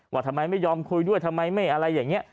ว่าทำไมไม่ยอมคุยด้วยทำไมไม่อะไรอย่างนี้